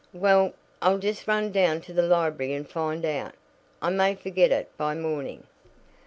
"Well, I'll just run down to the library and find out. I may forget it by morning."